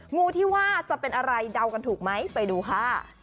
งูที่ว่าจะเป็นอะไรเดากันถูกไหมไปดูค่ะ